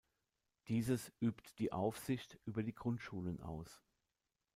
Dieses übt die Aufsicht über die Grundschulen aus.